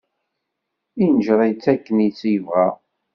Inǧer-itt akken i tt-yebɣa.